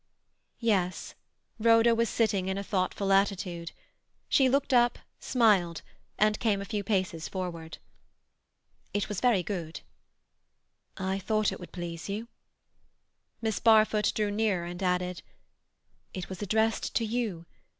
Yes; Rhoda was sitting in a thoughtful attitude. She looked up, smiled, and came a few paces forward. "It was very good." "I thought it would please you." Miss Barfoot drew nearer, and added,— "It was addressed to you.